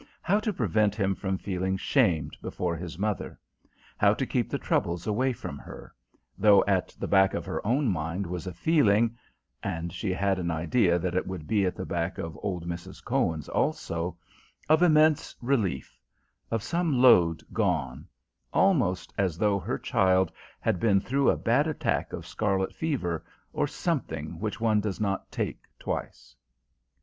How to prevent him from feeling shamed before his mother: how to keep the trouble away from her: though at the back of her own mind was a feeling and she had an idea that it would be at the back of old Mrs. Cohen's also of immense relief, of some load gone: almost as though her child had been through a bad attack of scarlet fever, or something which one does not take twice.